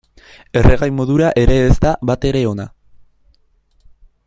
Erregai modura ere ez da batere ona.